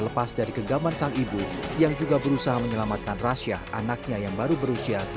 lepas dari kegaman sang ibu yang juga berusaha menyelamatkan rasyah anaknya yang baru berusia